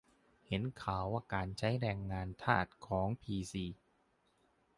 เห็นข่าวการใช้ "แรงงานทาส" ของพีซี